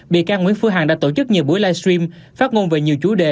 bị can nguyễn phương hằng đã tổ chức nhiều buổi live stream phát ngôn về nhiều chủ đề